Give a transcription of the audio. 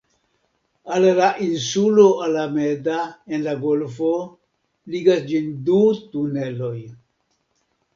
Al la insulo Alameda, en la golfo, ligas ĝin du tuneloj.